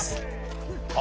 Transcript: あ！